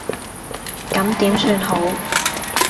咁點算好